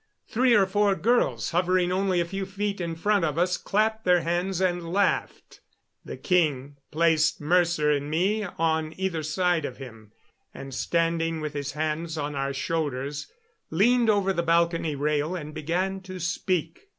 Three or four girls, hovering only a few feet in front of us, clapped their hands and laughed. The king placed Mercer and me on either side of him, and, standing with his hands on our shoulders, leaned over the balcony rail and began to speak.